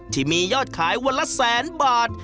ที่มียอดขายวันละแสนบาท